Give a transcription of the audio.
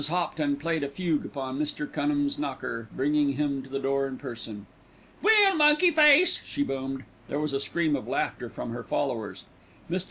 Hopton played a fugue upon Mr. Cunham's knocker, bringing him to the door in person. "Well, monkey face," she boomed. There was a scream of laughter from her followers. Mr.